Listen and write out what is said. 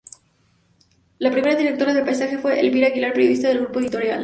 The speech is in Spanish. La primera directora de Paisajes fue Elvira Aguilar, periodista del grupo editorial.